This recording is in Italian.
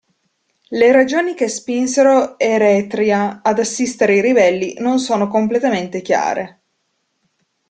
Le ragioni che spinsero Eretria ad assistere i ribelli non sono completamente chiare.